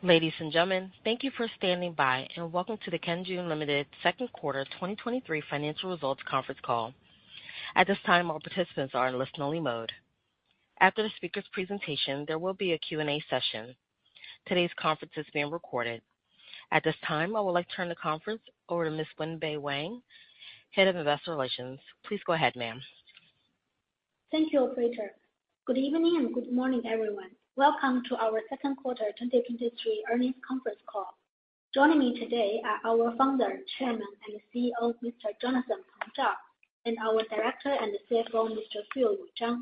Ladies and gentlemen, thank you for standing by, and welcome to the Kanzhun Limited Second Quarter 2023 Financial Results Conference Call. At this time, all participants are in listen-only mode. After the speaker's presentation, there will be a Q&A session. Today's conference is being recorded. At this time, I would like to turn the conference over to Ms. Wenbei Wang, Head of Investor Relations. Please go ahead, ma'am. Thank you, operator. Good evening and good morning, everyone. Welcome to our second quarter 2023 earnings conference call. Joining me today are our Founder, Chairman, and CEO, Mr. Jonathan Peng Zhao, and our Director and CFO, Mr. Yu Zhang.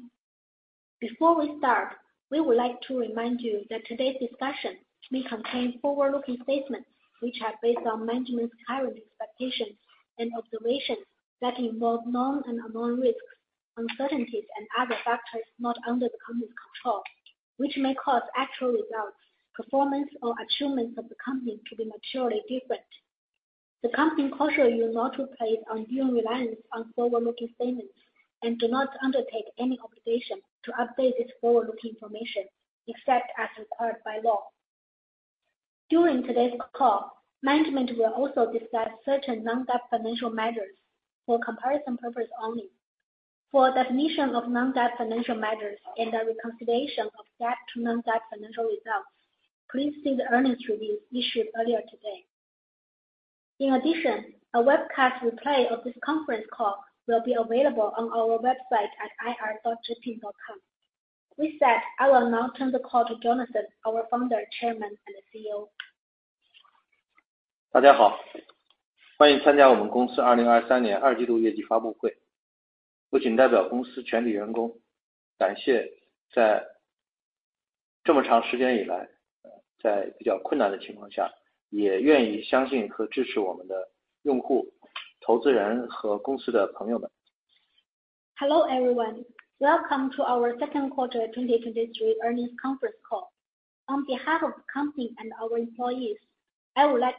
Before we start, we would like to remind you that today's discussion may contain forward-looking statements, which are based on management's current expectations and observations that involve known and unknown risks, uncertainties, and other factors not under the company's control, which may cause actual results, performance, or achievements of the company to be materially different. The company cautions you not to place undue reliance on forward-looking statements and do not undertake any obligation to update this forward-looking information, except as required by law. During today's call, management will also discuss certain non-GAAP financial measures for comparison purposes only. For definition of non-GAAP financial measures and the reconciliation of GAAP to non-GAAP financial results, please see the earnings review issued earlier today. In addition, a webcast replay of this conference call will be available on our website at ir.kanzhun.com. With that, I will now turn the call to Jonathan, our Founder, Chairman, and CEO. Hello, everyone. Welcome to our second quarter 2023 earnings conference call. On behalf of the company and our employees, I would like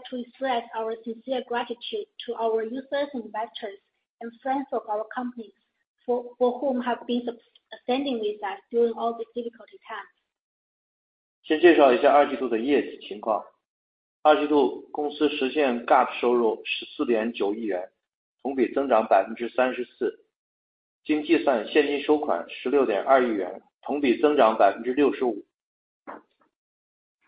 to express our sincere gratitude to our users, investors, and friends of our company, for whom have been upstanding with us during all these difficult times. Hello, everyone. Welcome to our second quarter 2023 earnings conference call. On behalf of the company and our employees, I would like to express our sincere gratitude to our users, investors, and friends of our company, for whom have been upstanding with us during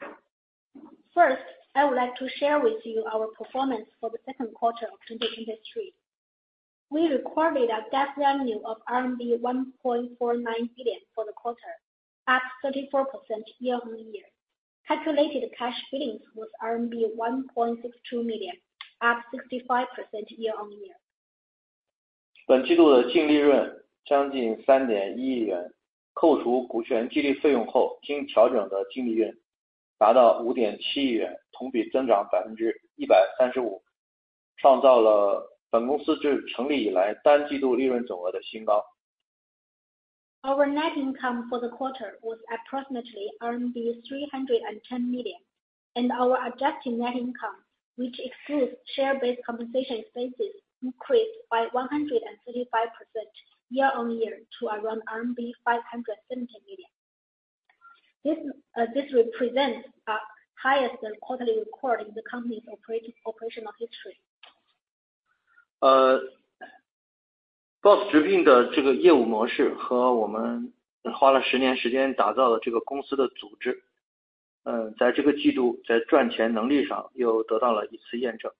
all these difficult times. First, I would like to share with you our performance for the second quarter of 2023. We recorded a GAAP revenue of RMB 1.49 billion for the quarter, up 34% year-on-year. Calculated Cash Billings was RMB 1.62 billion, up 65% year-on-year. 本季度的净利润将近3.1亿元，扣除股权激励费用后，调整的净利润达到5.7亿元，同比增长135%，创造了本公司自成立以来单季度利润总额的新高。Our net income for the quarter was approximately RMB 310 million, and our adjusted net income, which excludes share-based compensation expenses, increased by 135% year-on-year to around RMB 570 million. This represents a highest and quarterly record in the company's operational history. BOSS Zhipin的这个业务模式和我们花了10年时间打造的这个公司的组织，在这个季度在赚钱能力上又得到了一次验证。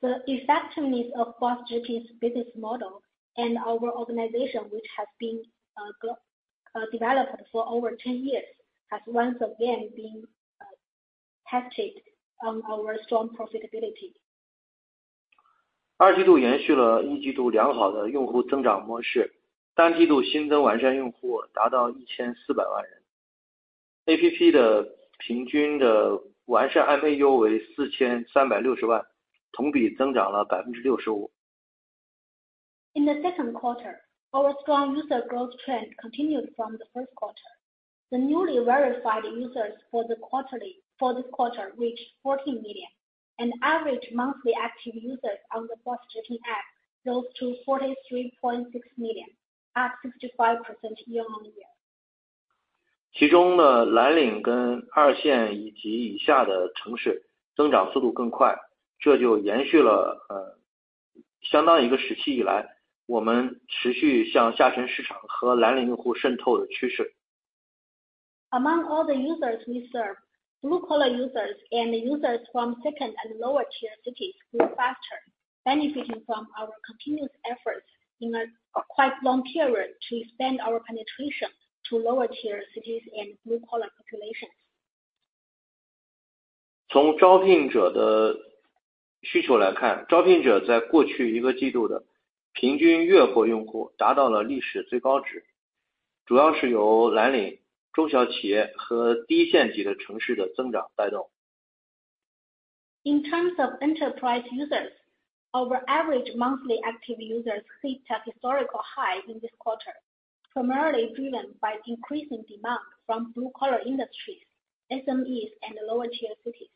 The effectiveness of BOSS Zhipin's business model and our organization, which has been developed for over 10 years, has once again been tested on our strong profitability. 二季度延续了一季度良好的用户增长模式，单季度新增完善用户达到1,400万人。APP的平均的完善MAU为4,360万，同比增长了65%。In the second quarter, our strong user growth trend continued from the first quarter. The newly verified users for this quarter reached 14 million, and average monthly active users on the BOSS Zhipin app rose to 43.6 million, at 65% year-on-year. 其中的蓝领跟二线以及以下的城市增长速度更快，这就延续了相当一个时期以来，我们持续向下沉市场和蓝领用户渗透的趋势。Among all the users we serve, blue-collar users and users from second and lower-tier cities grew faster, benefiting from our continuous efforts in a quite long period to expand our penetration to lower-tier cities and blue-collar populations. 从招聘者的需求来看，招聘者在过去一个季度的平均月活用户达到了历史最高值，主要是由蓝领、中小企业和低线级的城市的增长带动。In terms of enterprise users, our average monthly active users hit a historical high in this quarter, primarily driven by increasing demand from blue-collar industries, SMEs, and lower-tier cities.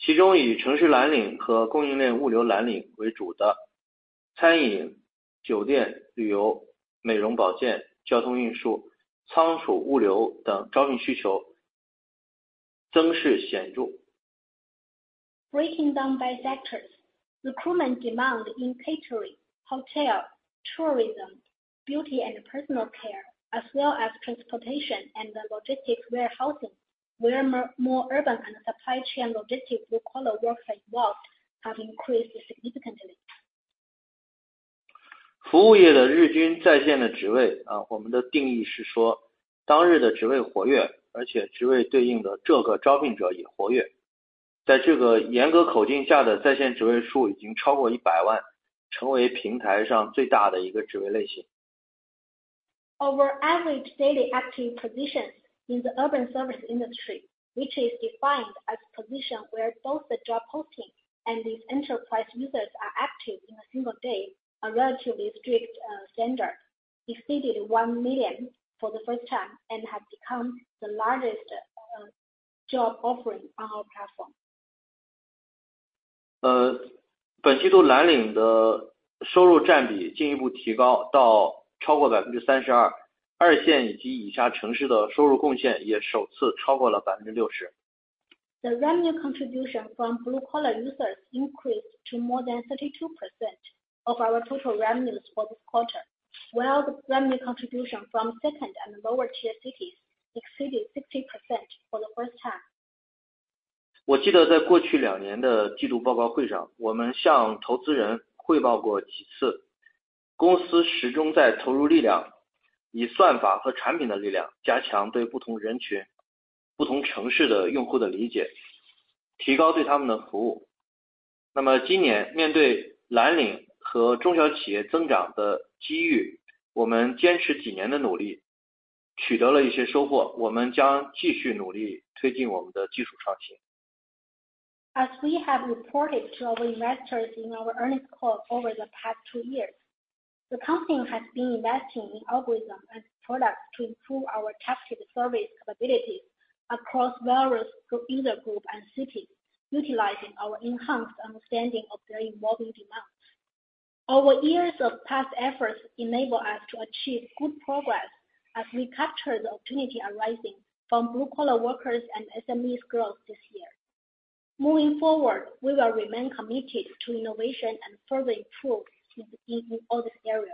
其中以城市蓝领和供应链物流蓝领为主的餐饮、酒店、旅游、美容、保健、交通运输、仓储物流等招聘需求增势显著。Breaking down by sectors, recruitment demand in catering, hotel, tourism, beauty and personal care, as well as transportation and logistics, warehousing, where more urban and supply chain logistics blue-collar workers work, have increased significantly. 服务业的日均在线的职位，我们的定义是说当日的职位活跃，而且职位对应的这个招聘者也活跃。在这个严格口径下的在线职位数已经超过100万，成为平台上最大的一个职位类型。Our average daily active positions in the urban service industry, which is defined as positions where both the job posting and these enterprise users are active in a single day, a relatively strict standard, exceeded 1 million for the first time, and has become the largest job offering on our platform. 本季度蓝领的收入占比进一步提高到超过32%，二线以及以下城市的收入贡献也首次超过60%。The revenue contribution from blue-collar users increased to more than 32% of our total revenues for this quarter, while the revenue contribution from second and lower tier cities exceeded 60% for the first time. 我记得在过去两年的季度报告会上，我们向投资者汇报过几次，公司始终在投入力量，以算法和产品的力量加强不同人群、不同城市用户的理解，提高对他们的服务。那么今年面对蓝领和中小企业增长的机会，我们坚持几年的努力，取得了一些收获，我们将继续努力推进我们的技术创新。As we have reported to our investors in our earnings call over the past two years, the company has been investing in algorithms and products to improve our targeted service capabilities across various user groups and cities, utilizing our enhanced understanding of their evolving demands. Our years of past efforts enable us to achieve good progress as we capture the opportunity arising from blue-collar workers and SMEs growth this year. Moving forward, we will remain committed to innovation and further improve in all this area.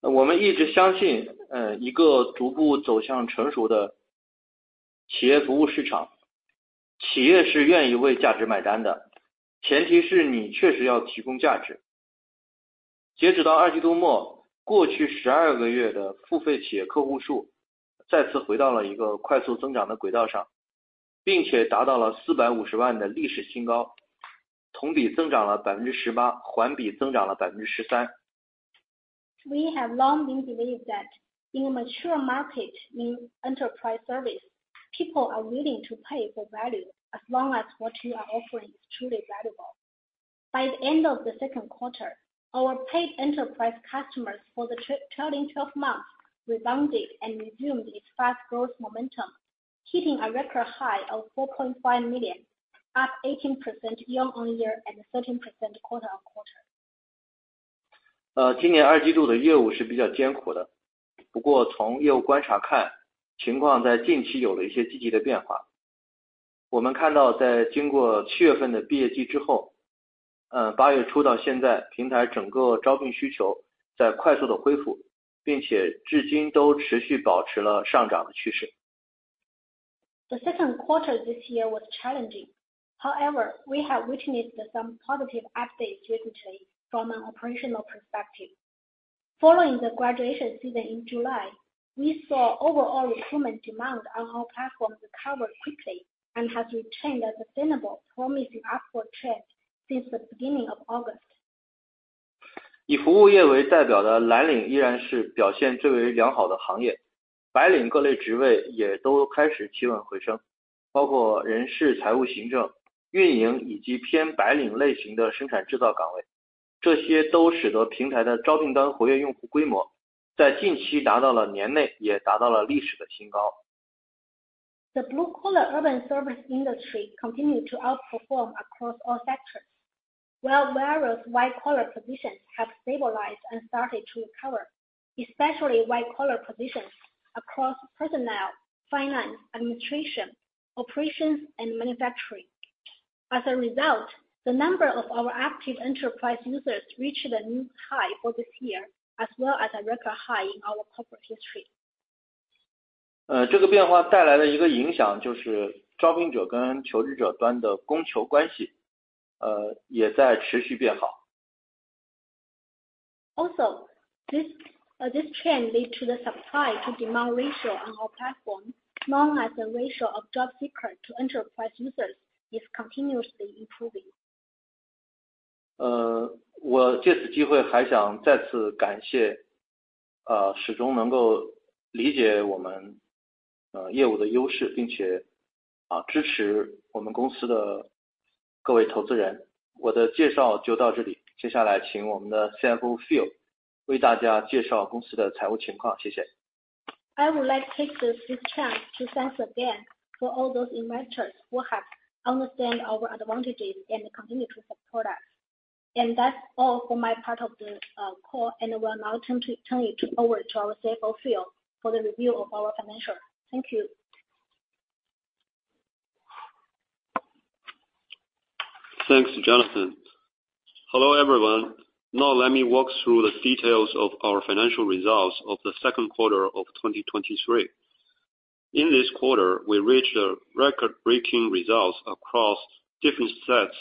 我们一直相信，一个逐步走向成熟的企业服务市场，企业是愿意为价值买单的，前提是你确实要提供价值。截止到2季度末，过去12个月的付费企业客户数再次回到一个快速增长的轨道上，并且达到了450万的历史新高，同比增加了18%，环比增加了13%。We have long believed that in a mature market, in enterprise service, people are willing to pay for value as long as what you are offering is truly valuable. By the end of the second quarter, our paid enterprise customers for the trailing twelve months rebounded and resumed its fast growth momentum, hitting a record high of 4.5 million, up 18% year-on-year and 13% quarter-on-quarter. 今年二季度的业务是比较艰苦的，不过从业务观察看，情况在近期有了一些积极的变化。我们看到，在经过七月份的毕业季之后，八月初到现在，平台整个招聘需求在迅速地恢复，并且至今都持续保持了上涨的趋势。The second quarter this year was challenging. However, we have witnessed some positive updates lately from an operational perspective. Following the graduation season in July, we saw overall recruitment demand on our platform recover quickly and have retained a sustainable, promising upward trend since the beginning of August. 以服务业为代表的蓝领仍然是表现最好的行业，白领各类职位也都开始企稳回升，包括人事、财务、行政、运营以及偏白领类型的生产制造岗位，这些都使得平台的招聘端活跃用户规模在近期达到了年内也达到了历史的新高。The blue-collar urban service industry continued to outperform across all sectors, while various white-collar positions have stabilized and started to recover, especially white-collar positions across personnel, finance, administration, operations, and manufacturing. As a result, the number of our active enterprise users reached a new high for this year, as well as a record high in our corporate history. 这个变化带来的一个影响就是招聘者跟求职者端的供求关系，也在持续变好。Also, this trend leads to the supply to demand ratio on our platform, as well as the ratio of job seeker to enterprise users, is continuously improving. 我借此机会还想再次感谢，始终能够理解我们，业务的优勢，并且，支持我们公司的。各位投资者，我的介绍就到这里。接下来请我们的CFO Phil为大家介绍公司的财务情况，谢谢。I would like to take this chance to thank again for all those investors who have understood our advantages and continue to support us. That's all for my part of the call, and I will now turn it over to our CFO Phil for the review of our financials. Thank you. Thanks, Jonathan. Hello, everyone. Now let me walk through the details of our financial results of the second quarter of 2023. In this quarter, we reached a record-breaking results across different sets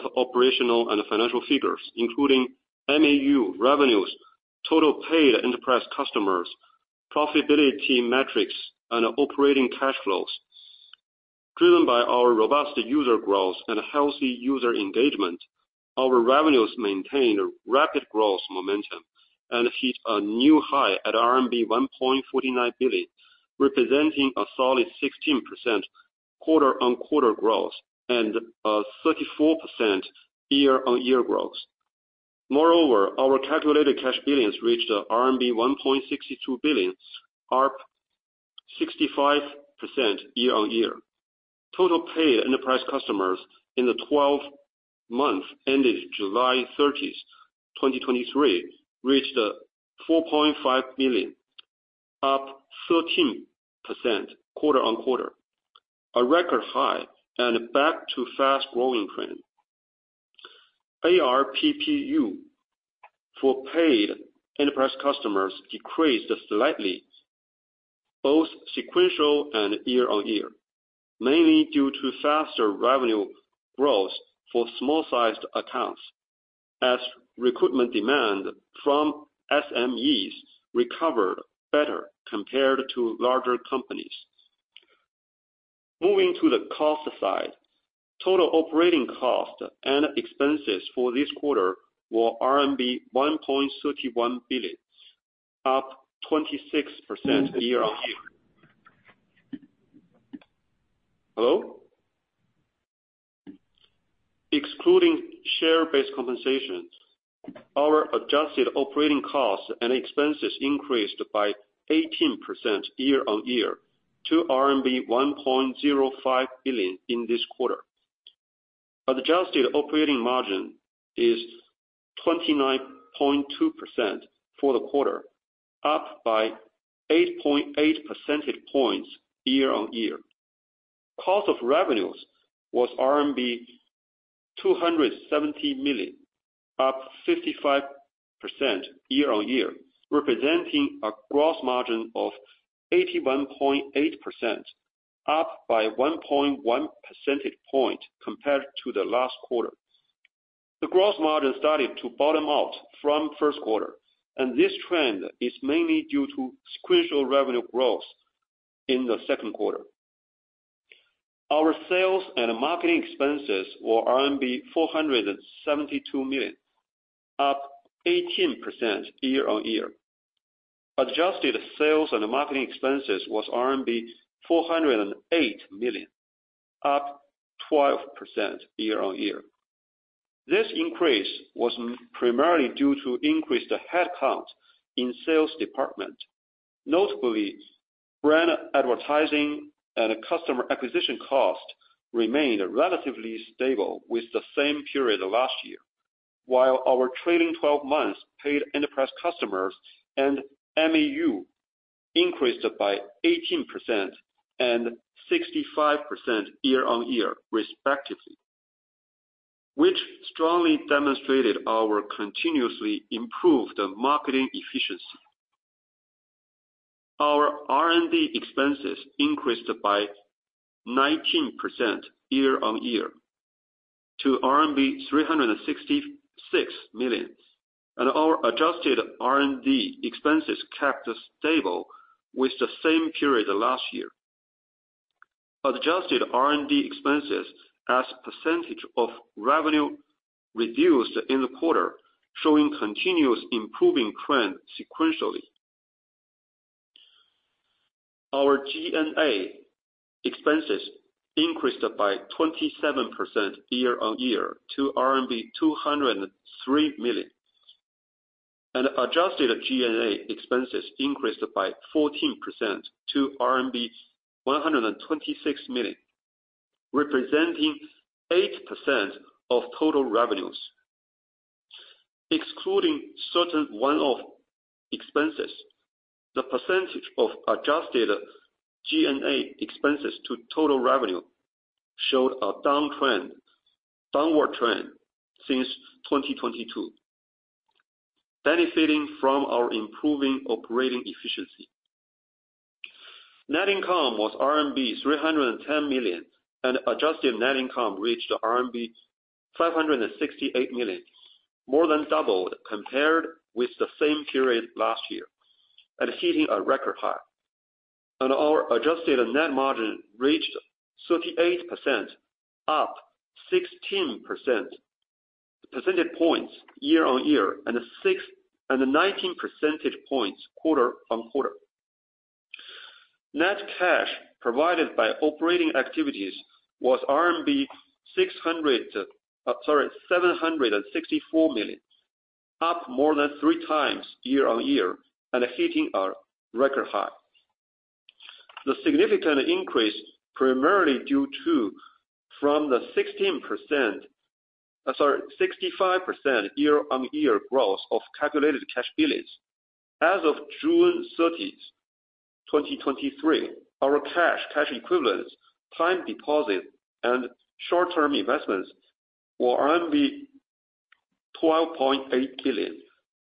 of operational and financial figures, including MAU, revenues, total paid enterprise customers, profitability, metrics, and operating cash flows. Driven by our robust user growth and healthy user engagement, our revenues maintained rapid growth, momentum, and hit a new high at RMB 1.49 billion, representing a solid 16% quarter-on-quarter growth and a 34% year-on-year growth. Moreover, our calculated cash billings reached RMB 1.62 billion, up 65% year-on-year. Total paid enterprise customers in the 12 months. Okay, so I'll start again. So in the second quarter, we reached record-breaking results across different set of operational and financial figures, including MAU, revenues, total paid enterprise customers, profitability metrics, and operating cash flows. Driven by our robust user growth and healthy user engagement, our revenues maintained a rapid growth momentum and hit a new high at RMB 1.49 billion, representing a solid 16% quarter-on-quarter growth and a 34% year-on-year growth. Moreover, our calculated cash billings reached RMB 1.62 billion, up 65% year-on-year. Total paid enterprise customers in the 12 months ended July 30, 2023, reached 4.5 billion, up 13% quarter-on-quarter, a record high and back to fast growing trend. ARPPU for paid enterprise customers decreased slightly, both sequential and year-on-year, mainly due to faster revenue growth for small-sized accounts, as recruitment demand from SMEs recovered better compared to larger companies. Moving to the cost side, total operating cost and expenses for this quarter were RMB 1.31 billion, up 26% year-on-year. Hello? Excluding share-based compensations, our adjusted operating costs and expenses increased by 18% year-on-year to RMB 1.05 billion in this quarter. Adjusted operating margin is 29.2% for the quarter, up by 8.8 percentage points year-on-year. Cost of revenues was RMB 270 million, up 55% year-on-year, representing a gross margin of 81.8%, up by 1.1 percentage point compared to the last quarter. The gross margin started to bottom out from first quarter, and this trend is mainly due to sequential revenue growth in the second quarter. Our sales and marketing expenses were 472 million, up 18% year-on-year. Adjusted sales and marketing expenses was RMB 408 million, up 12% year-on-year. This increase was primarily due to increased headcount in sales department. Notably, brand advertising and customer acquisition cost remained relatively stable with the same period of last year, while our trailing twelve months paid enterprise customers and MAU increased by 18% and 65% year-on-year, respectively, which strongly demonstrated our continuously improved marketing efficiency. Our R&D expenses increased by 19% year-on-year to RMB 366 million. Our adjusted R&D expenses kept stable with the same period last year. Adjusted R&D expenses as a percentage of revenue reduced in the quarter, showing continuous improving trend sequentially. Our GNA expenses increased by 27% year-on-year to CNY 203 million. Adjusted GNA expenses increased by 14% to RMB 126 million, representing 8% of total revenues. Excluding certain one-off expenses, the percentage of adjusted GNA expenses to total revenue showed a downtrend, downward trend since 2022, benefiting from our improving operating efficiency. Net income was RMB 310 million, and adjusted net income reached RMB 568 million, more than doubled compared with the same period last year, and hitting a record high. Our adjusted net margin reached 38%, up 16 percentage points year-on-year, and six and 19 percentage points quarter-on-quarter. Net cash provided by operating activities was 764 million, up more than three times year-on-year, and hitting a record high. The significant increase, primarily due to from the 65% year-on-year growth of Calculated Cash Billings. As of June 30, 2023, our cash, cash equivalents, time deposit, and short-term investments were 12.8 billion,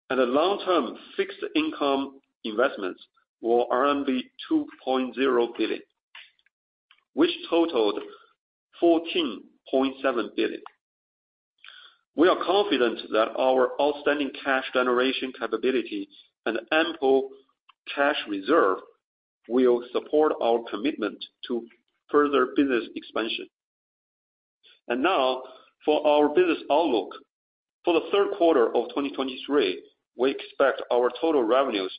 and the long-term fixed income investments were 2.0 billion, which totaled 14.7 billion. We are confident that our outstanding cash generation capability and ample cash reserve will support our commitment to further business expansion. And now for our business outlook. For the third quarter of 2023, we expect our total revenues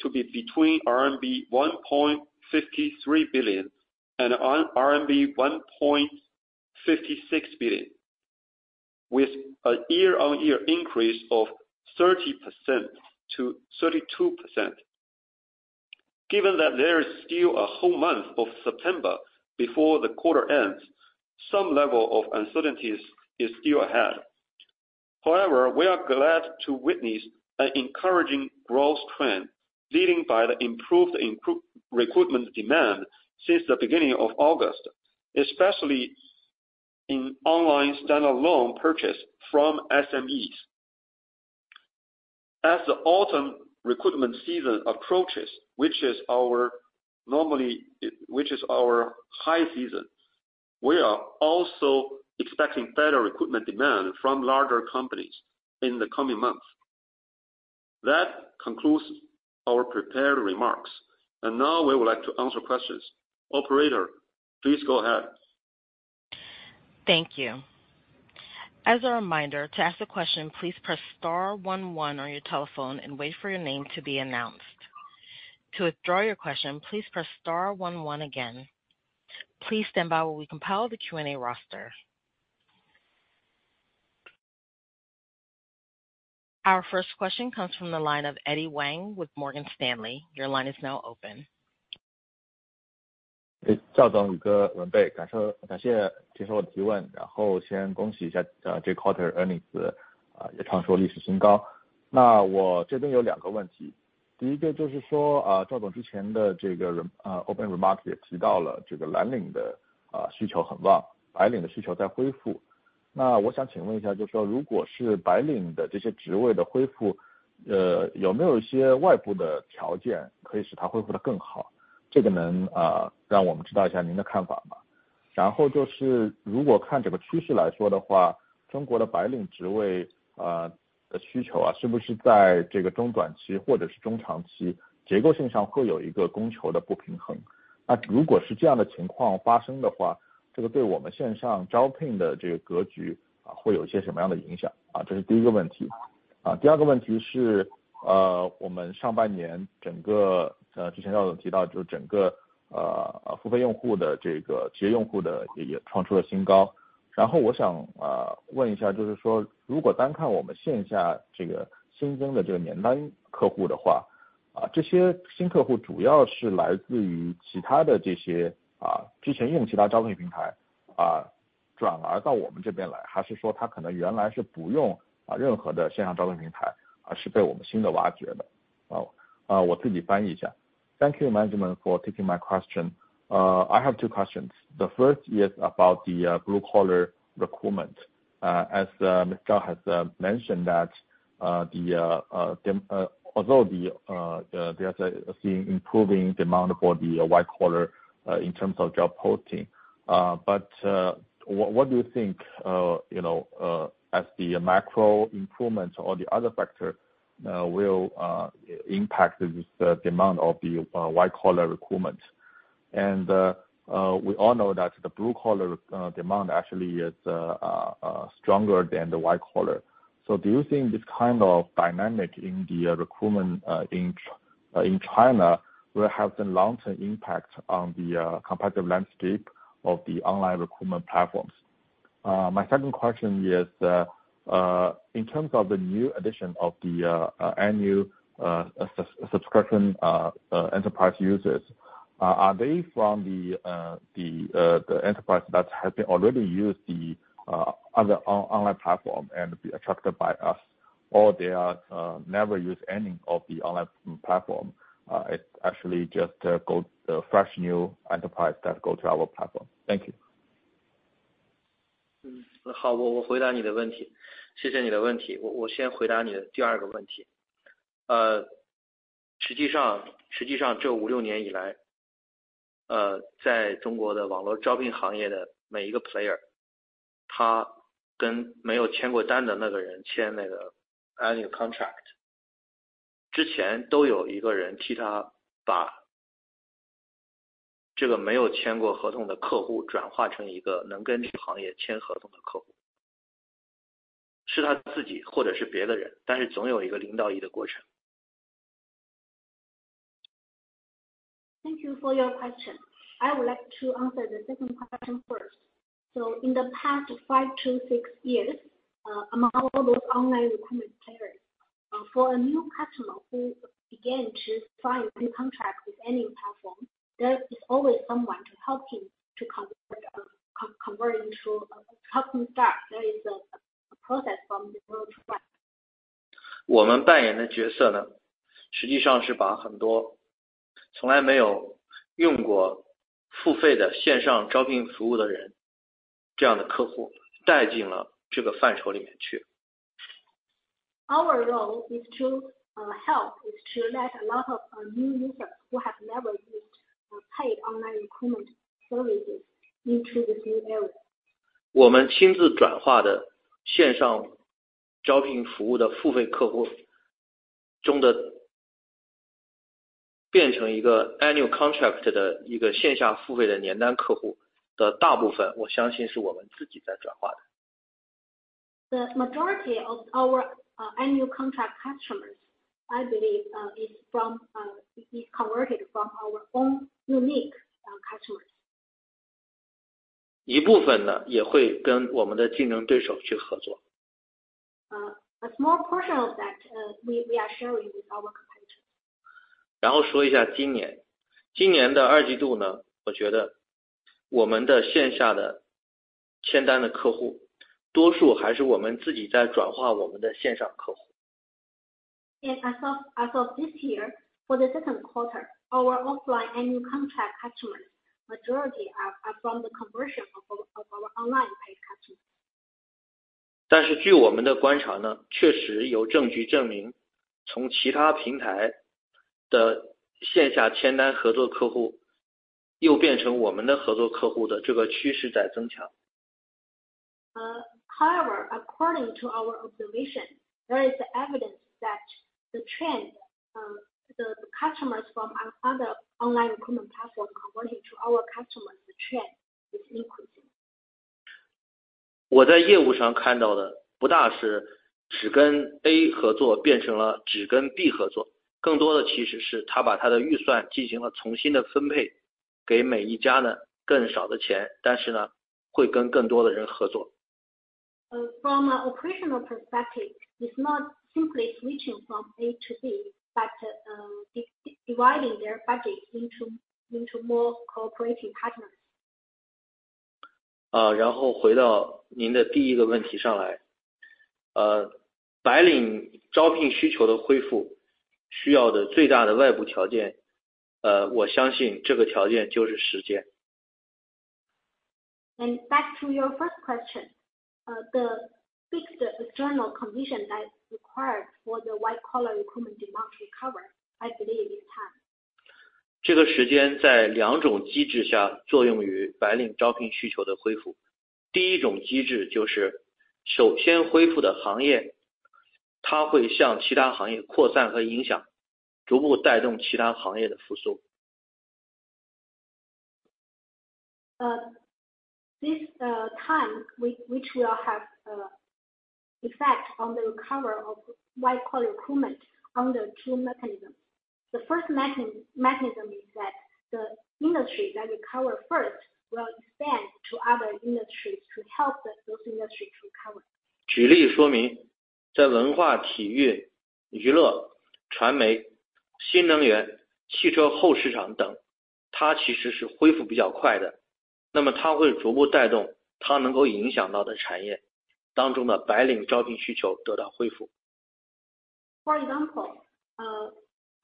to be between RMB 1.53 billion and RMB 1.56 billion, with a year-on-year increase of 30%-32%. Given that there is still a whole month of September before the quarter ends, some level of uncertainties is still ahead. However, we are glad to witness an encouraging growth trend, leading by the improved recruitment demand since the beginning of August, especially in online standard loan purchase from SMEs. As the autumn recruitment season approaches, which is our high season, we are also expecting better recruitment demand from larger companies in the coming months. That concludes our prepared remarks, and now we would like to answer questions. Operator, please go ahead. Thank you. As a reminder, to ask a question, please press star one one on your telephone and wait for your name to be announced. To withdraw your question, please press star one one again. Please stand by while we compile the Q&A roster. Our first question comes from the line of Eddy Wang with Morgan Stanley. Your line is now open. Hey, Chairman Zhao, thank you for taking my question. First of all, congratulations on this quarter's earnings. It reached a new high. I have two questions. The first one is, Mr. Zhao, you mentioned in your opening remarks that the demand for white-collar workers is very strong, and the demand for blue-collar workers is recovering. I would like to ask, if the recovery of these positions for white-collar workers, are there any external conditions that can make it recover better? Can let us know your thoughts on this? And then, if we look at the trend, the demand for white-collar jobs in China, in the medium term or long term, will there be a structural imbalance between supply and demand? If this situation occurs, what kind of impact will it have on the online recruiting landscape? This is the first question. The second question is, we mentioned in the first half of the year that the entire paying users, the corporate users, also reached a new high. Then I would like to ask, if we only look at the newly added annual customers online, are these new customers mainly from other platforms, who used other recruiting platforms in the past, and switched to us? Or they may not have used any online recruiting platform before, and were newly discovered by us? I will translate it myself. Thank you, management, for taking my question. I have two questions. The first is about the blue-collar recruitment. As Mr. Zhao has mentioned that although there are seeing improving demand for the white-collar in terms of job posting. But what, what do you think? You know, as the macro improvements or the other factor will impact the demand of the white collar recruitment? And we all know that the blue collar demand actually is stronger than the white collar. So do you think this kind of dynamic in the recruitment in China will have the long term impact on the competitive landscape of the online recruitment platforms? My second question is, in terms of the new addition of the annual subscription enterprise users, are they from the enterprise that have been already used the other online platform and be attracted by us, or they are never use any of the online platform, it's actually just go fresh new enterprise that go to our platform. Thank you. 好，我回答你的问题，谢谢你的问题。我先回答你的第二个问题。实际上，这五六年以来，在中国的网络招聘行业的每一个player，他跟没有签过单的那个人签那个annual contract之前，都有一个人替他把这个没有签过合同的客户转化成一个能跟这个行业签合同的客户，是他自己或者是别人，但是总有一个零到一的过程。Thank you for your question. I would like to answer the second question first. So in the past five to six years, among all those online recruitment players, for a new customer who began to sign a contract with any platform, there is always someone to help him to convert into help him start. There is a process from zero to one. 我们扮演的角色呢，实际上是把很多从来没有用过付费的在线招聘服务的人，这样的客户带进了这个范畴里面去。Our role is to let a lot of new users who have never used paid online recruitment services into the new area. 我们亲自转化的线上招聘服务的付费客户中的变成一个 annual contract 的一个线下付费的年单客户的大部分，我相信是我们自己在转化的。The majority of our annual contract customers, I believe, is converted from our own unique customers. 一部分呢，也会跟我们的竞争对手去合作。A small portion of that, we are sharing with our competitors. 然后说一下今年，今年的二季度呢，我觉得我们的线下的签单的客户，多数还是我们自己在转化我们的线上客户。Yes, as of this year, for the second quarter, our offline annual contract customers, majority are from the conversion of our online paid customers. 但是据我们的观察呢，确实有证据证明，从其他平台的线下签单合作客户又变成我们的合作客户，这个趋势在增强。However, according to our observation, there is evidence that the trend, the customers from our other online recruitment platform converting to our customers, the trend is increasing. 我在业务上看到的不大事，只跟A合作，变成了只跟B合作，更多的其实是他把他的预算进行了重新的分配，给每一家的呢更少的钱，但是呢，会跟更多的人合作。From an operational perspective, it's not simply switching from A to B, but dividing their budget into more cooperating partners. 然后回到您的问题上来。白领招聘需求的恢复需要最大的外部条件，我相信这个条件就是时间。Back to your first question, the big external condition that required for the white-collar recruitment demand recover, I believe is time. 这个时间在两种机制下作用于白领招聘需求的恢复。第一种机制就是首先恢复的行业，它会向其他行业扩散和影响，逐步带动其他行业的复苏。This time, which will have effect on the recovery of white-collar recruitment on the two mechanisms. The first mechanism is that the industry that recover first will expand to other industries to help those industries recover. 例如说明，在文化、体育、娱乐、传媒、新能源、汽车后市场等，其实是恢复比较快的，那么它会逐步带动它能够影响到产业中的白领招聘需求得到恢复。For example,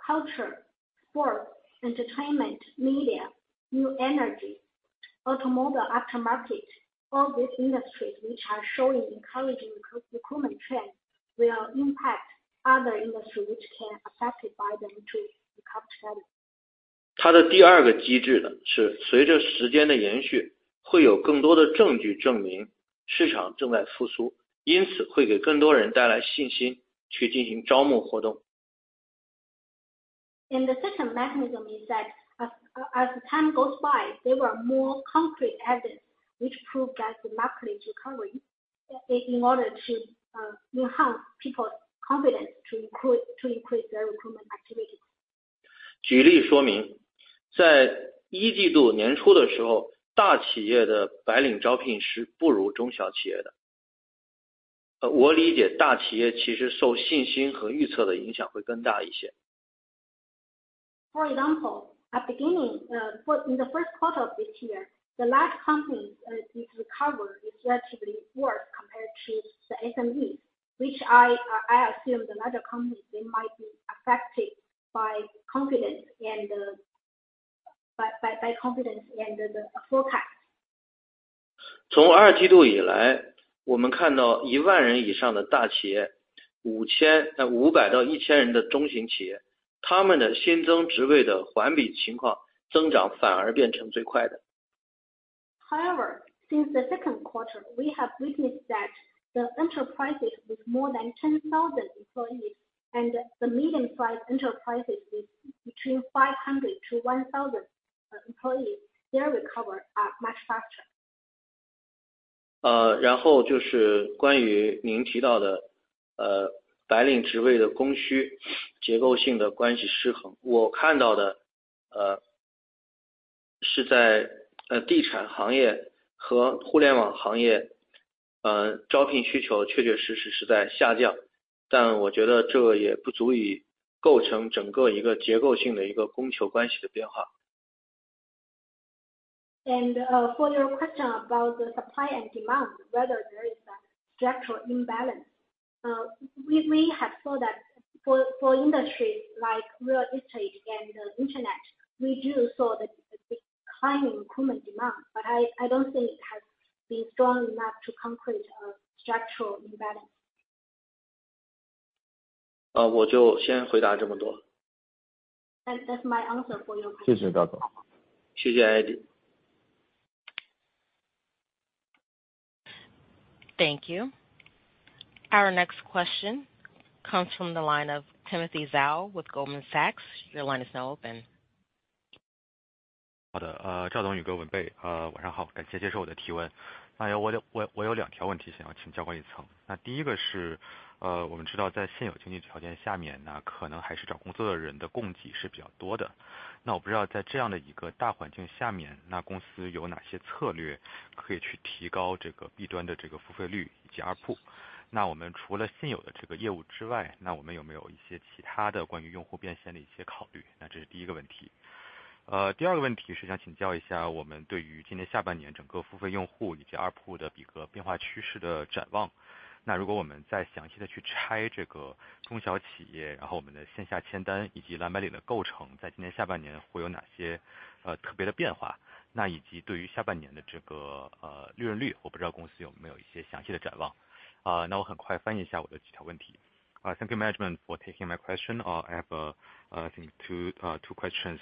culture, sport, entertainment, media, new energy, automobile aftermarket. All these industries which are showing encouraging recruitment trends will impact other industry which can affected by them to become better. 他的第二个机制呢，是随着时间的延续，会有更多的证据证明市场正在复苏，因此会给更多人带来信心去进行招募活动。The second mechanism is that as time goes by, there were more concrete evidence which prove that the market is recovering, in order to enhance people's confidence to recruit, to increase their recruitment activities. 举例如说，在一季度年初的时候，大企业的白领招聘是不如中小企业的。我理解大企业其实受信心和预测的影响会更大一些。For example, at beginning, in the first quarter of this year, the large companies is recovered relatively worse compared to the SMEs, which I assume the larger companies, they might be affected by confidence and by confidence and the forecast. 从二季度以来，我们看到10,000人以上的大企业，500-1,000人的中型企业，他们的新增职位的环比情况增长反而变成最快的。However, since the second quarter, we have witnessed that the enterprises with more than 10,000 employees and the medium-sized enterprises between 500-1,000 employees, their recovery is much faster. 然后就是关于您提到的，白领职位的供需结构性的关系失衡，我看到的，是在地产行业和互联网行业，招聘需求确确实实是在下降，但我觉得这也不足以构成整个一个结构性的一个供求关系的改变。For your question about the supply and demand, whether there is a structural imbalance, we have saw that for industries like real estate and Internet, we do saw the declining recruitment demand, but I don't think it has been strong enough to concrete a structural imbalance. 我就先回答这么多。That's my answer for your question. Thank you, Zhao Zong. Thank you, Eddy. Thank you. Our next question comes from the line of Timothy Zhao with Goldman Sachs. Your line is now open. 好的，赵总，以及文蓓，晚上好，感谢接受我的提问。那我有两条问题想要请教关于一层。那第一个是，我们知道在现有经济条件下面呢，可能还是找工作的人的供给是比较多的，那我不知道在这样的一个大环境下面，那公司有哪些策略可以去提高这个弊端的这个付费率以及ARPU。那我们除了现有的这个业务之外，那我们有没有一些其他的关于用户变现的一些考虑？那这是第一个问题。第二个问题是想请教一下，我们对于今年下半年整个付费用户以及ARPU的比率变化趋势的展望。那如果我们再详细地去拆这个中小企业，然后我们的线下签单以及蓝白领的构成，在今年下半年会有哪些特别的变化，那以及对于下半年的这个，利润率，我不知道公司有没有一些详细的展望。那我很快翻译一下我的几条问题。Thank you, management, for taking my question. I have a, I think two questions.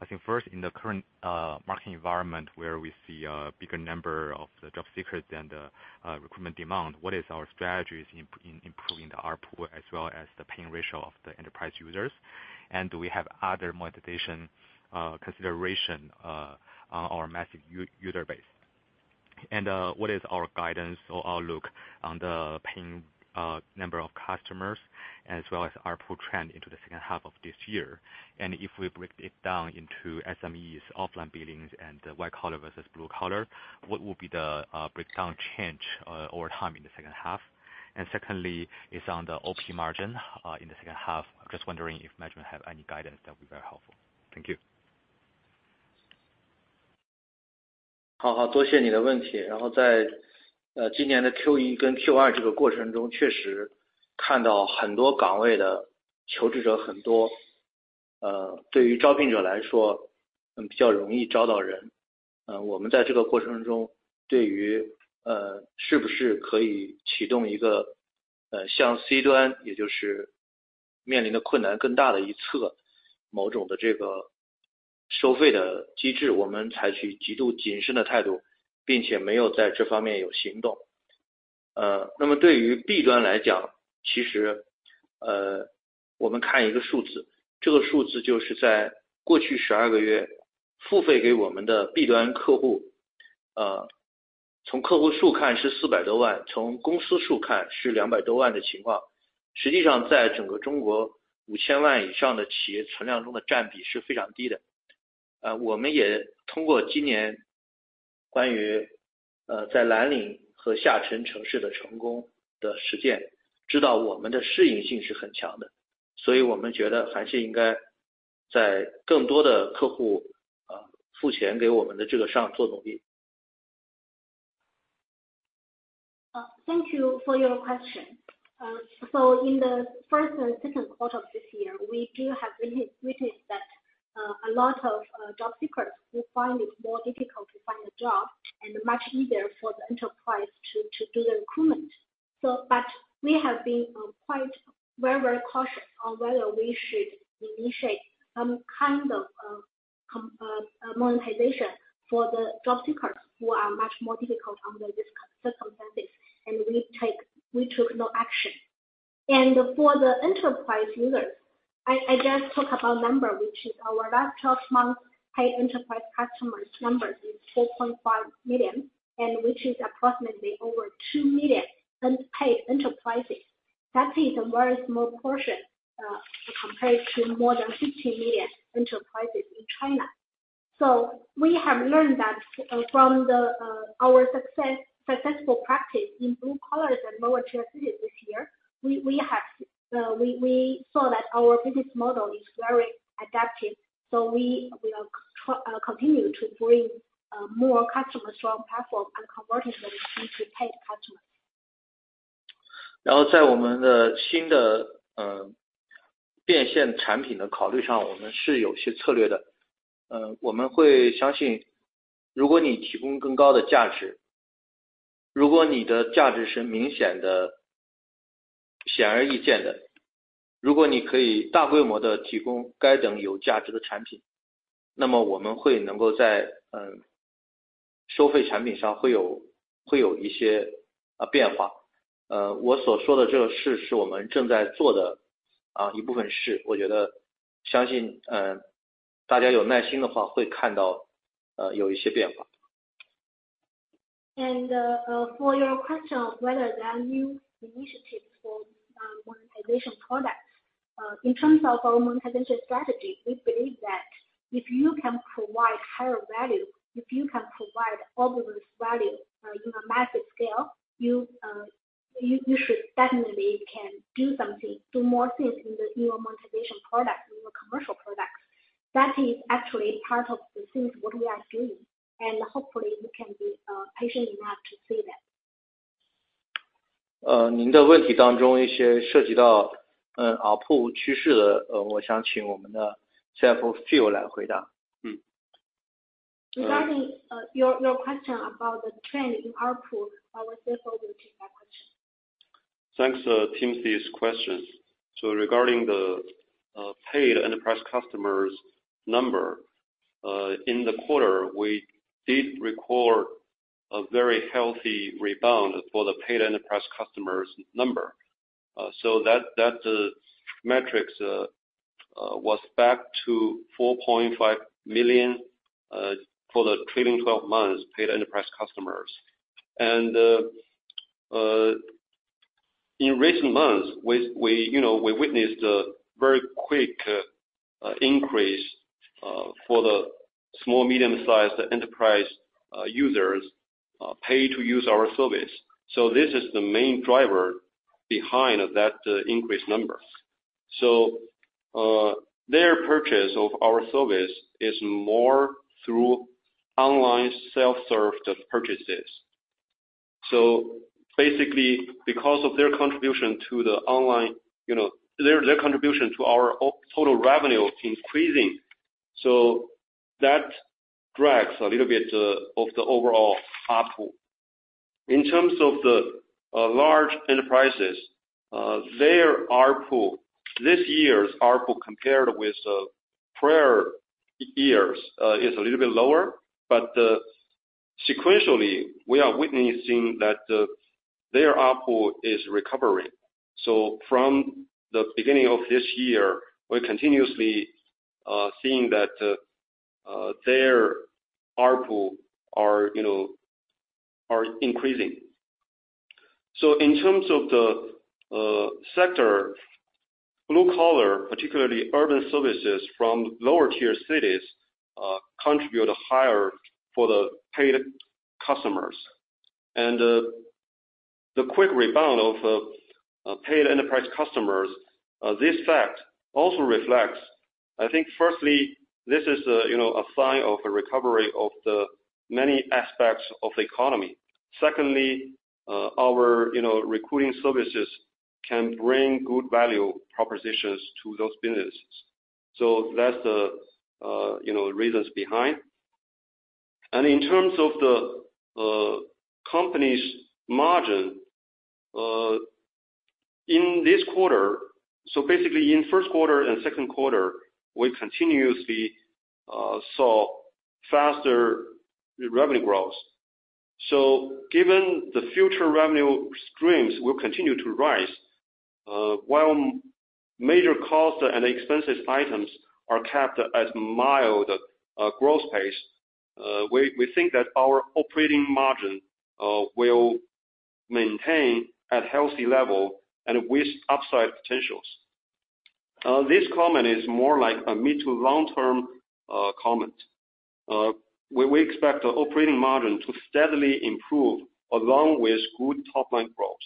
I think first in the current market environment, where we see a bigger number of the job seekers than the recruitment demand, what is our strategies in improving the ARPU as well as the paying ratio of the enterprise users? And do we have other motivation, consideration, on our massive user base? And what is our guidance or outlook on the paying number of customers as well as ARPU trend into the second half of this year? And if we break it down into SMEs, offline billings, and white collar versus blue collar, what will be the breakdown change over time in the second half? And secondly, it's on the OP margin in the second half. I'm just wondering if management have any guidance, that would be very helpful. Thank you。Thank you for your question. So in the first and second quarter of this year, we do have witnessed that a lot of job seekers will find it more difficult to find a job, and much easier for the enterprise to do the recruitment. But we have been quite very cautious on whether we should initiate some kind of monetization for the job seekers who are much more difficult under these circumstances, and we took no action. And for the enterprise users, I just talk about number, which is our last twelve month paid enterprise customers number is 4.5 million, and which is approximately over 2 million paid enterprises. That is a very small portion, compared to more than 50 million enterprises in China. So we have learned that from our successful practice in blue collars and lower-tier cities this year, we saw that our business model is very adaptive, so we continue to bring more customers from platform and converting them into paid customers. For your question on whether there are new initiatives for monetization products, in terms of our monetization strategy, we believe that if you can provide higher value, if you can provide obvious value in a massive scale, you should certainly can do something, do more things in your monetization product, in your commercial products. That is actually part of the things what we are doing, and hopefully we can be patient enough to see that. Phil Yu 来回答. Regarding your, your question about the trend in our pool, our CFO will take that question. Thanks, Timothy's questions. So regarding the paid enterprise customers number in the quarter, we did record a very healthy rebound for the paid enterprise customers number. So that metrics was back to 4.5 million for the trailing twelve months paid enterprise customers. And in recent months, we, you know, we witnessed a very quick increase for the small medium-sized enterprise users pay to use our service. So this is the main driver behind that increased number. So their purchase of our service is more through online self-serve purchases. So basically, because of their contribution to the online, you know, their contribution to our total revenue is increasing, so that drags a little bit of the overall output. In terms of the large enterprises, their ARPU, this year's ARPU, compared with prior years, is a little bit lower, but sequentially, we are witnessing that their ARPU is recovering. So from the beginning of this year, we're continuously seeing that their ARPU are, you know, are increasing. So in terms of the sector, blue collar, particularly urban services from lower tier cities, contribute higher for the paid customers. And the quick rebound of paid enterprise customers, this fact also reflects, I think, firstly, this is a, you know, a sign of a recovery of the many aspects of the economy. Secondly, our, you know, recruiting services can bring good value propositions to those businesses. So that's the reasons behind. In terms of the company's margin in this quarter, so basically in first quarter and second quarter, we continuously saw faster revenue growth. So given the future revenue streams will continue to rise, while major costs and expenses items are kept at mild growth pace, we think that our operating margin will maintain at healthy level and with upside potentials. This comment is more like a mid-to-long-term comment. We expect the operating margin to steadily improve along with good top line growth.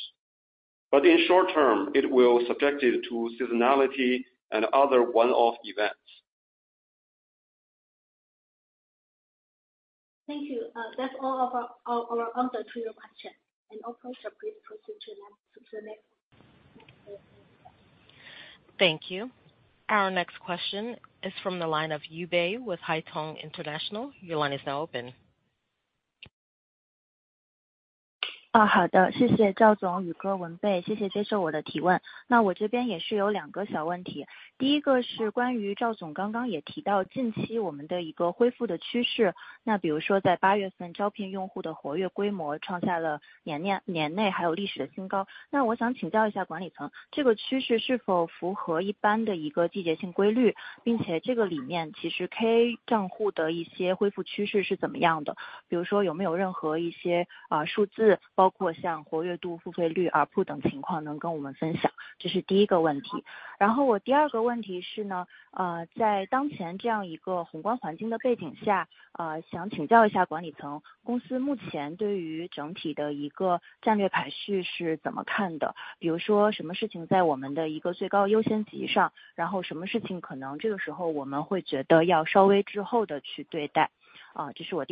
But in short term, it will subjected to seasonality and other one-off events. Thank you, that's all of our, all our answer to your question, and operators please proceed to the next. Thank you. Our next question is from the line of Yu Bai with Haitong International. Your line is now open. 好的，谢谢赵总，Wenbei Wang，谢谢接受我的提问。那我这边也是有两个小问题，第一个是关于赵总刚刚也提到近期我们的一个恢复的趋势，那比如说在八月份招聘用户的活跃规模创下了年内还有历史的新高。那我想请教一下管理层，这个趋势是否符合一般的一个季节性规律？并且这个里面其实KA账户的一些恢复趋势是怎么样的，比如说有没有任何一些数字，包括像活跃度、付费率、ARPU等情况能跟我们分享，这是第一个问题。然后我第二个问题是呢，在当前这样的一个宏观环境的背景下，想请教一下管理层，公司目前对于整体的一个战略排序是怎么看的，比如说什么事情在我们的一个最高优先级上，然后什么事可能这个时候我们会觉得要稍微滞后地去对待。这是第二个问题，那我也自己翻译一下这两个问题。Thank you,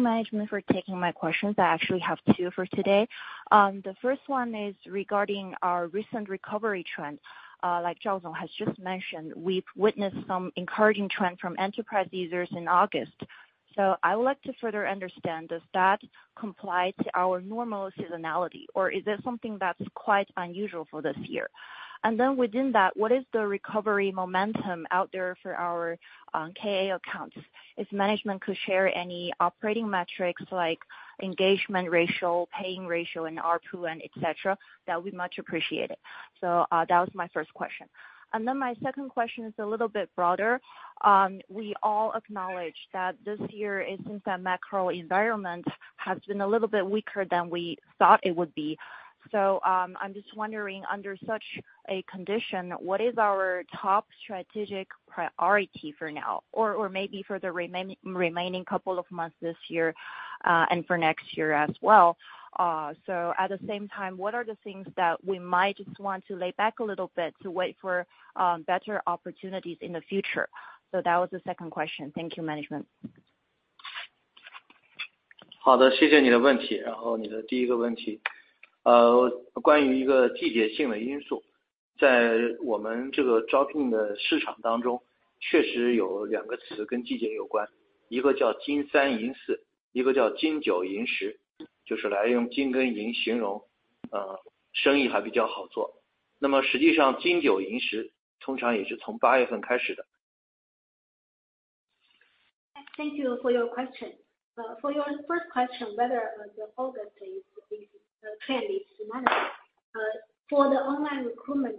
management, for taking my questions. I actually have two for today. The first one is regarding our recent recovery trend, like President Zhao has just mentioned, we've witnessed some encouraging trend from enterprise users in August, so I would like to further understand does that comply to our normal seasonality? Or is it something that's quite unusual for this year? And then within that, what is the recovery momentum out there for our KA accounts? If management could share any operating metrics like engagement ratio, paying ratio, and ARPU and etc, that would be much appreciated. So that was my first question, and then my second question is a little bit broader. We all acknowledge that this year since that macro environment has been a little bit weaker than we thought it would be. So, I'm just wondering under such a condition, what is our top strategic priority for now? Or maybe for the remaining couple of months this year and for next year as well. So at the same time, what are the things that we might just want to lay back a little bit to wait for better opportunities in the future? So that was the second question. Thank you, management. Thank you for your question. For your first question, whether the August is a trend is money, for the online recruitment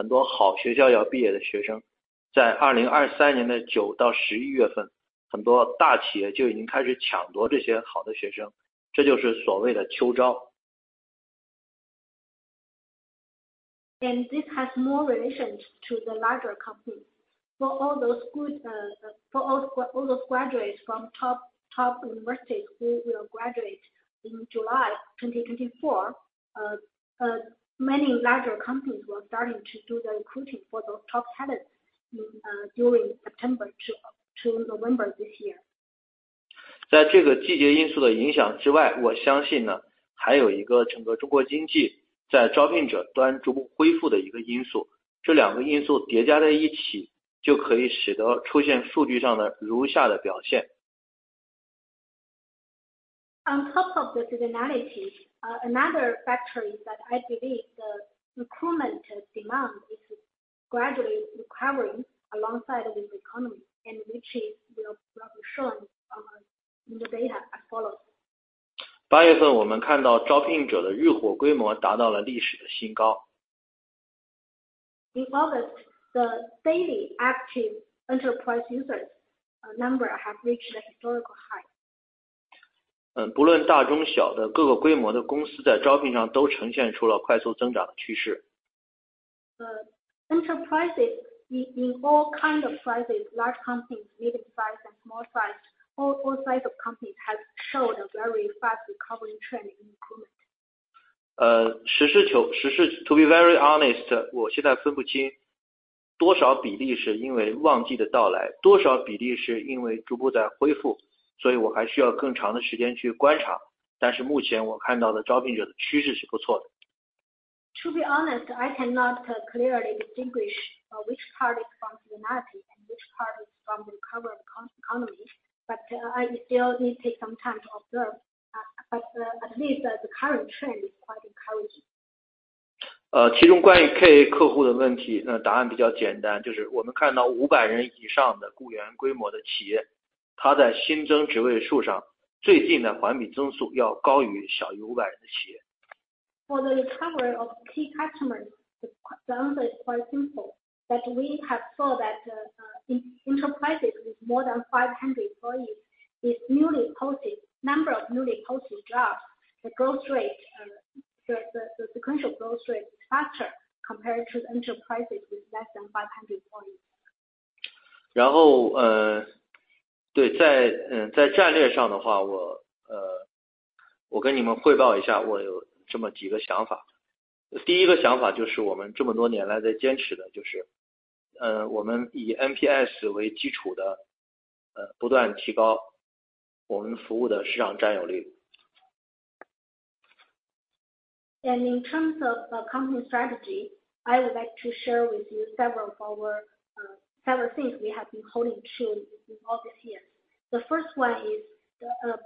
market, there are two keywords. First one is the golden March and silver April, next, second one is golden September and silver October, which both means a better market condition. The second one for golden September and silver October, which is definitely starting from August. 这跟大企业的关系就会更大一些，因为实际上2024年七月份很多好学校要毕业的学生，在2023年的九到十一月份，很多企业就已经开始抢夺这些好的学生，这就是所谓的秋招。This has more relations to the larger companies for all those good for all those graduates from top universities who will graduate in July 2024. Many larger companies were starting to do the recruiting for those top talents during September to November this year. 在这个季节因素的影响之外，我相信呢，还有一个整个中国经济在招聘者端逐步恢复的一个因素，这两个因素叠加在一起，就可以使得出现数据上的如下的表现。On top of the seasonality, another factor is that I believe the recruitment demand is gradually recovering alongside with the economy, and which will be shown in the data as follows. 八月份我们看到招聘者的日活规模达到了历史的新高。In August, the daily active enterprise users number has reached a historical high. 不论大中小的各个规模的公司，在招聘上都呈现出了快速增长的趋势。Enterprises in all kind of sizes, large companies, medium size and small size, all size of companies has showed a very fast recovery trend in recruitment. 实事求是 to be very honest, 我现在分不清多少比例是因为旺季的到来，多少比例是因为逐步在恢复，所以我还需要更长的时间去观察。但是目前我看到的招聘者的趋势是不错的。To be honest, I cannot clearly distinguish, which part is from seasonality and which part is from the recovery economy, but I still need take some time to observe. But at least the current trend is quite encouraging. 其中关于K客户的问题，那答案比较简单，就是我们看到500人以上的员工规模的企业，他在新增职位数上，最近的环比增速要高于小于500人的企业。For the recovery of key customers, the answer is quite simple, that we have saw that, in enterprises with more than 500 employees, is newly posted, number of newly posted jobs. The growth rate and the sequential growth rate is faster compared to the enterprises with less than 500 employees. 然后，在战略上的话，我跟你们汇报一下，我有这么几个想法。第一个想法就是我们这么多年来坚持的就是，我们以NPS为基础，不断提高我们服务的市场占有率。In terms of the company strategy, I would like to share with you several things we have been holding true in all these years. The first one is,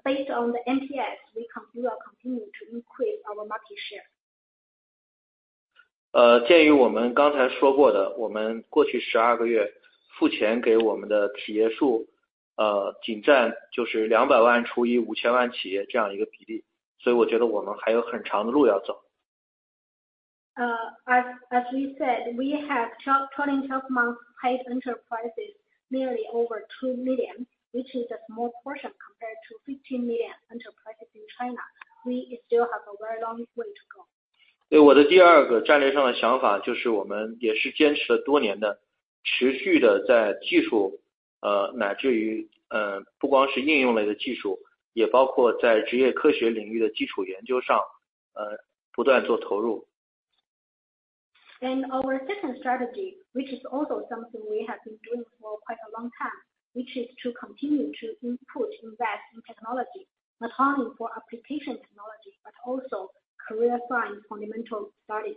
based on the NPS, we continue to increase our market share. 鉴于我们刚才说过的，我们过去 12 个月付钱给我们的企业数，仅占就是 200 万除以 5,000 万企业这样的一个比例，所以我觉得我们还有很长的路要走。As we said, we have 12, 12 and 12 months paid enterprises nearly over 2 million, which is a small portion compared to 15 million enterprises in China. We still have a very long way to go. Our second strategy, which is also something we have been doing for quite a long time, which is to continue to input, invest in technology, not only for application technology, but also career science fundamental studies.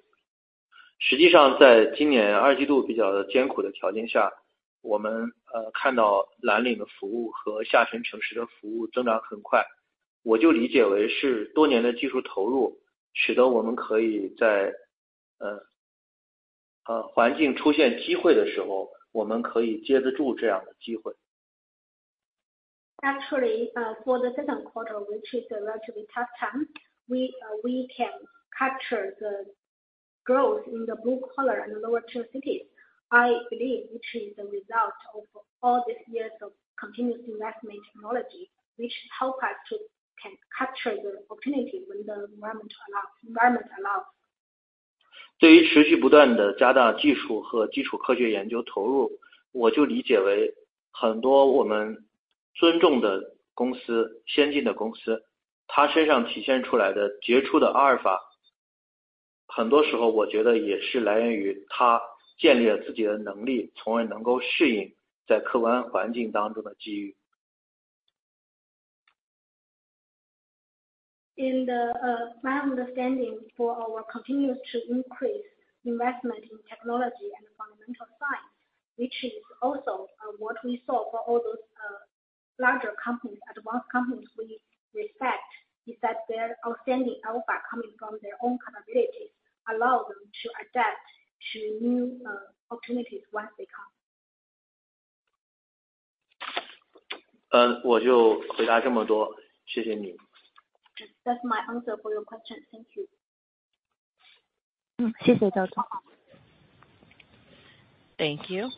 实际上，在今年二季度比较艰苦的条件下，我们看到蓝领的服务和下沉城市的服务增长很快，我就理解为是多年的技术投入，使得我们可以在环境出现机会的时候，我们可以接得住这样的机会。Actually, for the second quarter, which is a relatively tough time, we can capture the growth in the blue collar and lower tier cities. I believe, which is the result of all these years of continuous investment in technology, which help us to can capture the opportunity when the environment allows. In the, my understanding for our continuous to increase investment in technology and fundamental science, which is also what we saw for all those, larger companies, advanced companies we respect, is that their outstanding alpha coming from their own capabilities, allow them to adapt to new, opportunities once they come. 我就回答这么多，谢谢你。That's my answer for your question. Thank you. 谢谢赵总。Thank you.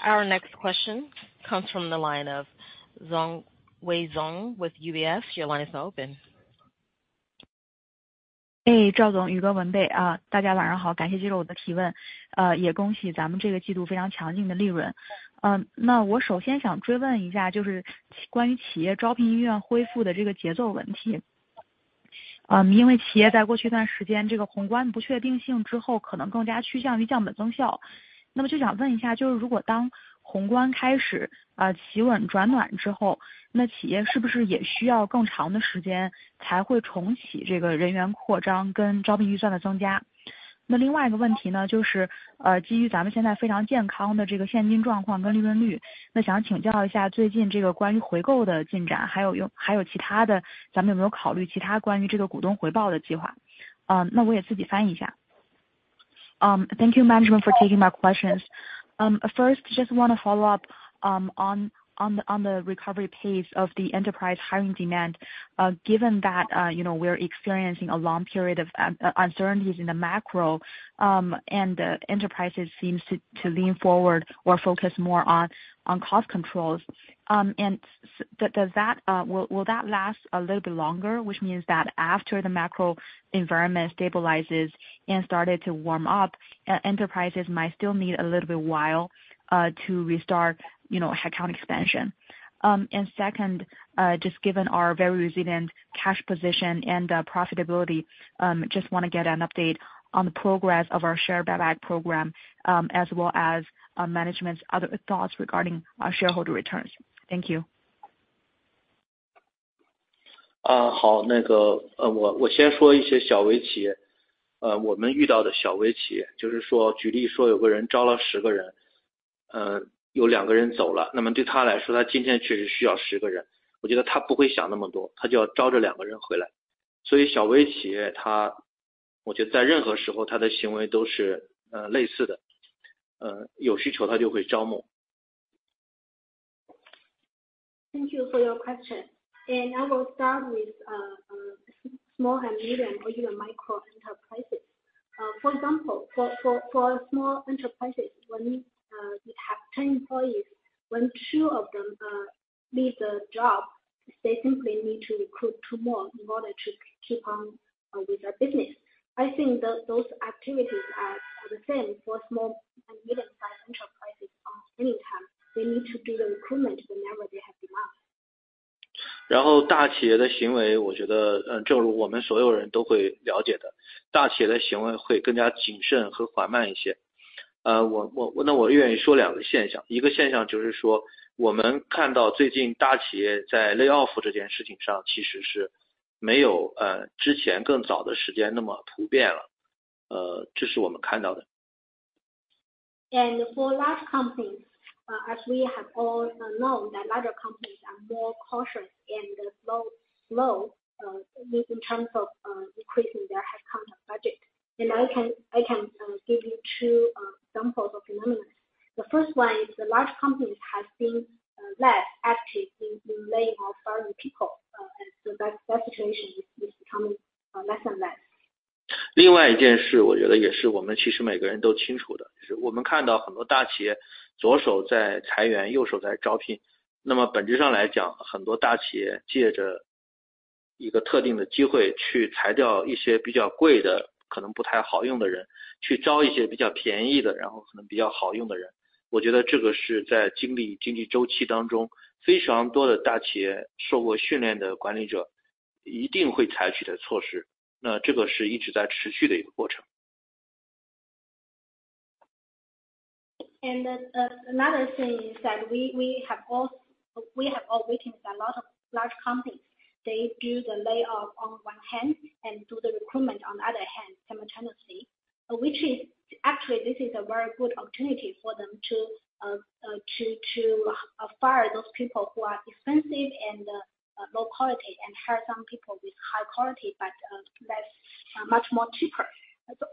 Our next question comes from the line of Zhong Wei Zhong with UBS. Your line is open. 员扩张跟招聘预算的增加？那另外一个问题呢，就是基于咱们现在非常健康的这个现金状况跟利润率，那想请教一下最近这个关于回购的进展，还有其他的，咱们有没有考虑其他关于这个股东回报的计划？那我也自己翻译一下。Thank you, management, for taking my questions. First, just want to follow up on the recovery pace of the enterprise hiring demand. Given that, you know, we're experiencing a long period of uncertainties in the macro, and the enterprises seems to lean forward or focus more on cost controls, and does that, will that last a little bit longer, which means that after the macro environment stabilizes and started to warm up, enterprises might still need a little bit while to restart, you know, account expansion. And second, just given our very resilient cash position and profitability, just want to get an update on the progress of our share buyback program, as well as management's other thoughts regarding our shareholder returns. Thank you. 好，那个，我先说一些小微企业，我们遇到的小微企业，就是说举例说有个人招了10个人，有2个人走了，那么对他来说，他今天确实需要10个人，我觉得他不会想那么多，他就要求这2个人回来。所以小微企业我觉得在任何时候，他的行为都是类似的，有需求他就会招募。Thank you for your question. I will start with small and medium or even micro enterprises. For example, for small enterprises, when you have 10 employees, when two of them leave the job, they simply need to recruit two more in order to keep on with their business. I think that those activities are the same for small and medium-sized enterprises. Anytime they need to do the recruitment, whenever they have demand. 然后，大企业的行为，我觉得，正如我们所有人都了解的，大企业的行为会更加谨慎和缓慢一些。那我愿意说两个现象，一个现象就是说，我们看到最近大企业在 lay off 这件事情上，其实是没有之前更早的时间那么普遍了，这是我们看到的。For large companies, as we have all known that larger companies are more cautious in the slow, slow, in terms of, increasing their headcount budget. And I can, I can give you two examples of phenomenon. The first one is the large companies have been less active in laying off foreign people, and so that situation is becoming less and less. 另外一件事，我觉得也是我们其实每个人都清楚的，就是我们看到很多大企业左手在裁员，右手在招聘。那么本质上讲，很多大企业借着一个特定的机会去裁掉一些比较贵的，可能不太好用的人，去招一些比较便宜的，然后可能比较好用的人。我觉得这个是在经历经济周期当中，非常多的大企业受过训练的管理者一定会采取的措施，那这个是一直在持续的一个过程。And another thing is that we have all witnessed a lot of large companies. They do the lay off on one hand and do the recruitment on the other hand simultaneously, which is actually this is a very good opportunity for them to fire those people who are expensive and low quality, and hire some people with high quality, but less, much more cheaper.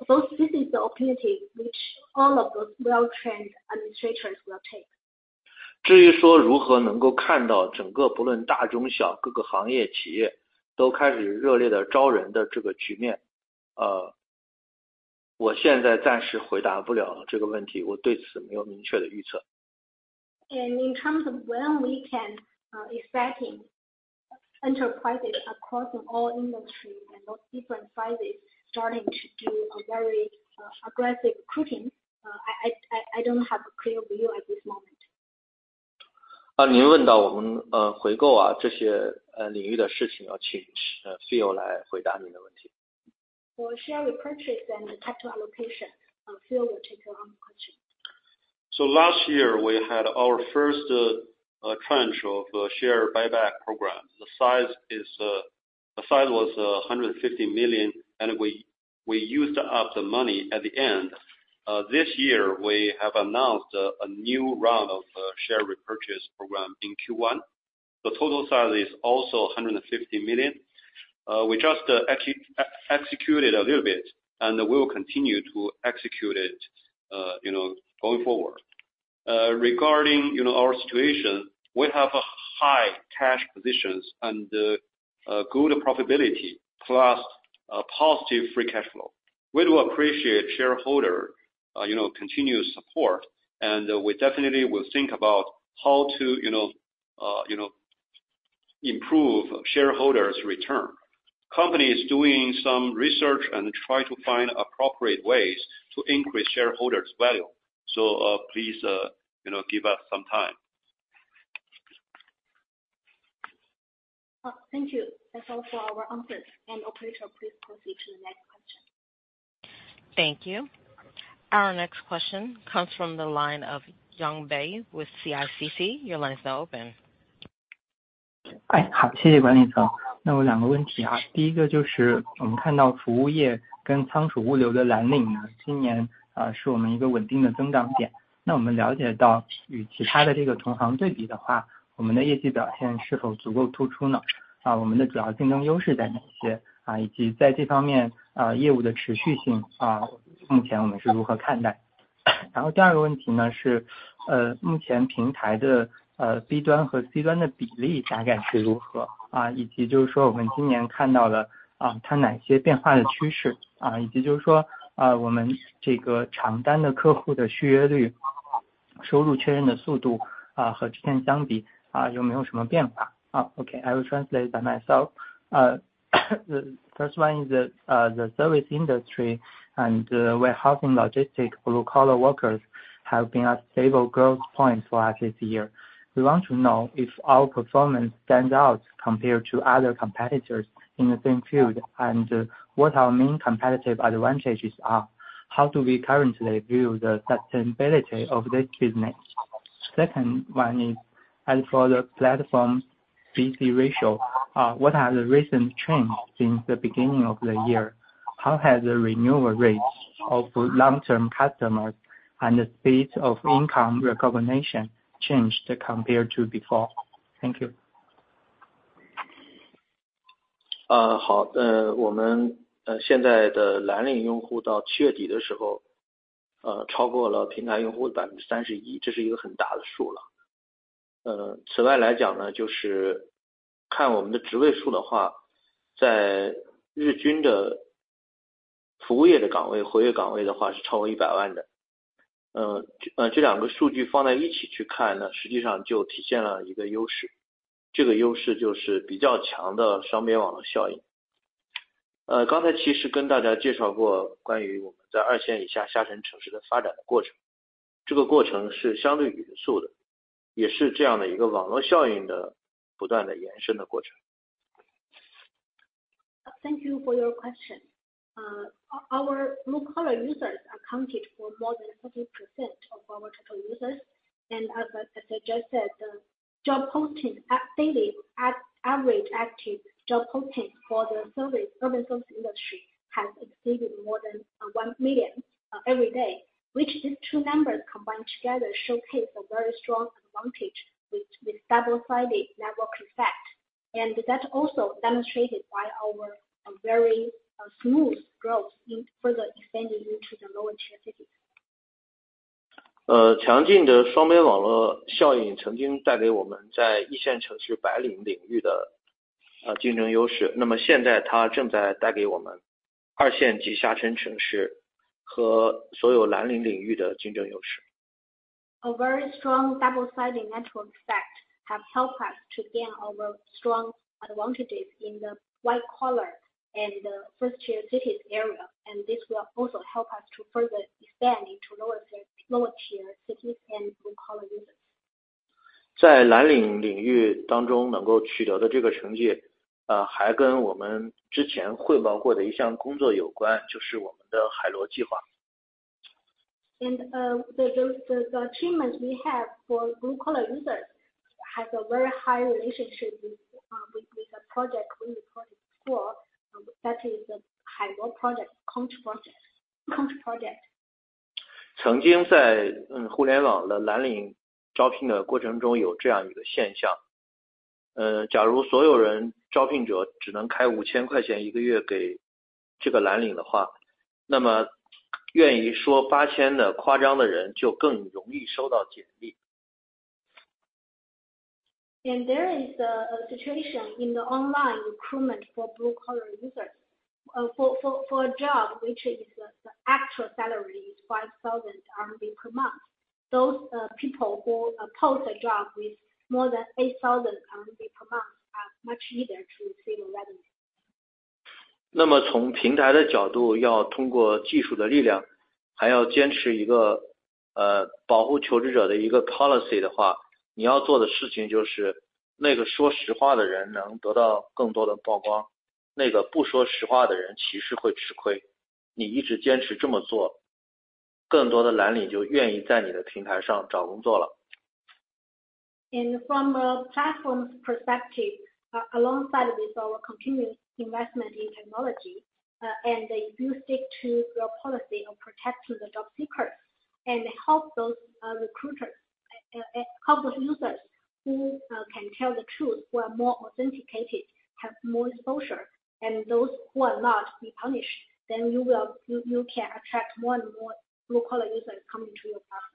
So this is the opportunity which all of those well-trained administrators will take. 至于说如何能够看到整个不管大小各个行业企业都开始热烈地招人的这个局面，我现在暂时回答不了这个问题，我对此没有明确的预测。In terms of when we can expecting enterprises across all industry and those different sizes starting to do a very aggressive recruiting. I don't have a clear view at this moment. 您问到我们，回购，这些领域的事情，要请CEO来回答你的问题。For share repurchase and capital allocation, CEO will take your question. So last year we had our first tranche of share buyback program. The size was $150 million, and we used up the money at the end. This year we have announced a new round of share repurchase program in Q1. The total size is also $150 million. We just executed a little bit and we will continue to execute it, you know, going forward. Regarding, you know, our situation, we have a high cash positions and good profitability, plus a positive free cash flow. We do appreciate shareholder, you know, continuous support and we definitely will think about how to, you know, improve shareholders return. Company is doing some research and try to find appropriate ways to increase shareholders value. So, please, you know, give us some time. Oh, thank you. That's all for our answers. And operator, please proceed to the next question. Thank you. Our next question comes from the line of Yang Bai with CICC. Your line is now open. Ah, OK, I will translate by myself. The first one is that the service industry and warehousing, logistics blue-collar workers have been a stable growth point for us this year. We want to know if our performance stands out compared to other competitors in the same field, and what our main competitive advantages are? How do we currently view the sustainability of this business? Second one is, as for the platform B C ratio, what are the recent trends since the beginning of the year? How has the renewal rates of long term customers and the speed of income recognition changed compared to before? Thank you. 好，我们现在的蓝领用户到7月底的时候，超过了平台用户的31%，这是一个很大的数了。此外来说呢，就是看我们的职位数的话，在日均的服务业的岗位，活跃岗位的话是超过100万的。这，这两个数据放在一起去看呢，实际上就体现了一个优势，这个优势就是比较强的双边网络效应。刚才其实跟大家介绍过，关于我们在二线以下下沉城市的发展的过程，这个过程是相对匀速的，也是这样的一个网络效应的不断的延伸的过程。Thank you for your question. Our, our blue collar users accounted for more than 40% of our total users. And as I just said, the job posting at daily, at average active job posting for the service urban service industry has exceeded more than 1 million every day, which these two numbers combined together showcase a very strong advantage with, with double sided network effect. And that also demonstrated by our, a very smooth growth in further extending into the lower tier cities. 强劲的双边网络效应曾经带给我们在一线城市白领领域的，竞争优势，那么现在它正在带给我们二线及下沉城市和所有蓝领领域的竞争优势。A very strong double-sided network effect have helped us to gain our strong advantages in the white-collar and first-tier cities area, and this will also help us to further expand into lower-tier, lower-tier cities and blue-collar users. 在蓝领领域当中能够取得的这个成绩，还跟我们之前汇报过的一项工作有关，就是我们的海螺计划。The achievements we have for blue-collar users has a very high relationship with a project we call it for, that is the Hai Luo Project, country project. 曾经在互联网的蓝领招聘的过程中，有这样一个现象，假如所有招聘者只能开5000块钱一个月给这个蓝领的话，那么愿意说8000的夸张的人就更容易收到简历。There is a situation in the online recruitment for blue collar users, for a job, which is the actual salary is 5,000 RMB per month. Those people who post a job with more than 8,000 RMB per month are much easier to receive a resume. 那么从平台的视角，要通过技术的力量，还要坚持一个，保护求职者的一个policy的话，你要做的事情就是那个说实话的人能得到更多的曝光，那个不说实话的人其实会吃亏。你一直坚持这么做，更多的蓝领就愿意在你的平台上找工作了。From a platform perspective, alongside with our continuous investment in technology, and if you stick to your policy of protecting the job seekers, and help those users who can tell the truth, who are more authenticated, have more exposure, and those who are not be punished, then you can attract more and more blue collar users coming to your platform.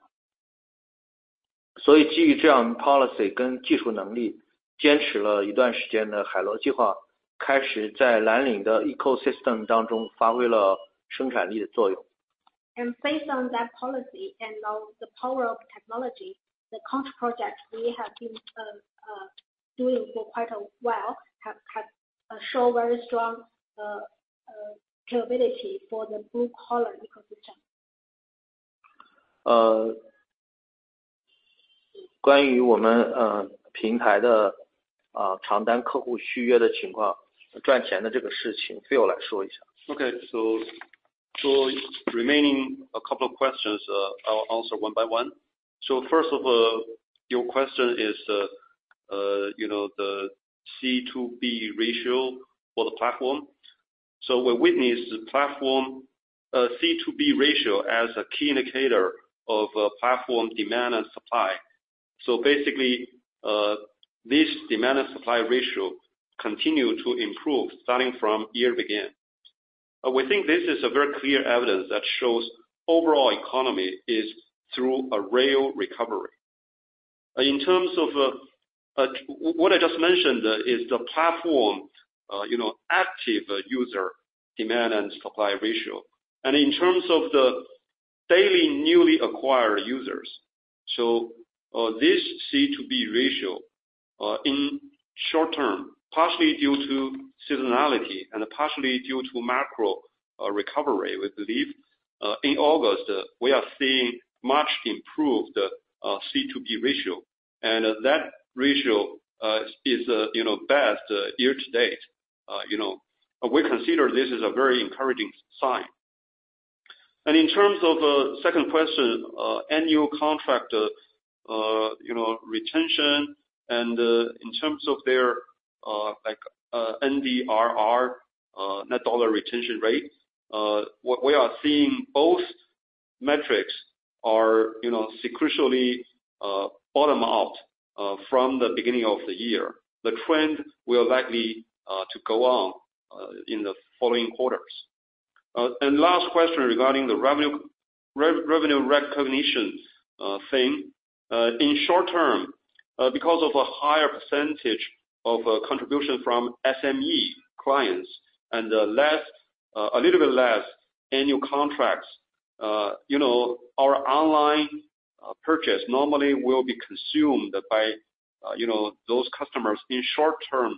所以基于这样policy跟技术能力，坚持了一段时间的海螺计划，开始在蓝领的ecosystem当中发挥了生产力的作用。Based on that policy and on the power of technology, the current project we have been doing for quite a while has shown very strong capability for the blue collar ecosystem. 关于我们的，平台的，长单客户续约的情况，赚钱的这个事情，Phil来说一下。Okay, so, so remaining a couple of questions, I'll answer one by one. So first of all, your question is, you know, the C2B ratio for the platform. So we witness the platform, C2B ratio as a key indicator of, platform demand and supply. So basically, this demand and supply ratio continue to improve starting from year begin. We think this is a very clear evidence that shows overall economy is through a real recovery. In terms of what I just mentioned is the platform, you know, active user demand and supply ratio, and in terms of the daily newly acquired users, so this C2B ratio, in short term, partially due to seasonality and partially due to macro recovery, we believe, in August, we are seeing much improved C2B ratio, and that ratio is, you know, best year to date. You know, we consider this is a very encouraging sign. And in terms of second question, annual contract, you know, retention and, in terms of their, like, NDRR, net dollar retention rate, what we are seeing both metrics are, you know, sequentially bottom out from the beginning of the year. The trend will likely to go on in the following quarters. And last question regarding the revenue recognition thing in short term, because of a higher percentage of contribution from SME clients and less a little bit less annual contracts, you know, our online purchase normally will be consumed by you know, those customers in short term,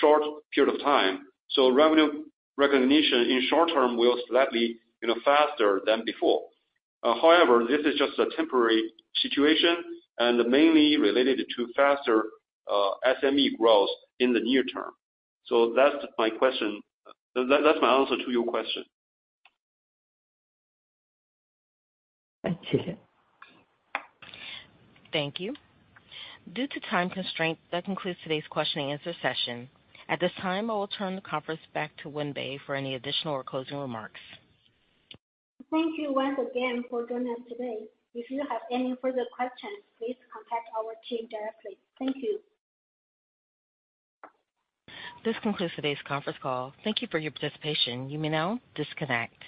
short period of time. So revenue recognition in short term will slightly you know, faster than before. However, this is just a temporary situation and mainly related to faster SME growth in the near term. So that's my question. That's my answer to your question. 谢谢。Thank you. Due to time constraints, that concludes today's questioning answer session. At this time, I will turn the conference back to Wenbei for any additional or closing remarks. Thank you once again for joining us today. If you have any further questions, please contact our team directly. Thank you. This concludes today's conference call. Thank you for your participation. You may now disconnect.